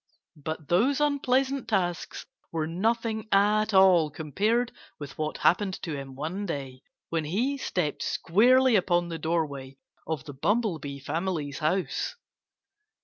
But those unpleasant tasks were nothing at all compared with what happened to him one day when he stepped squarely upon the doorway of the Bumblebee family's house.